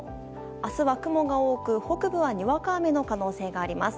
明日は雲が多く、北部はにわか雨の可能性があります。